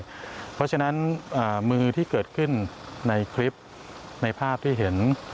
เพราะฉะนั้นมือที่เกิดขึ้นในคลิปในภาพที่เห็น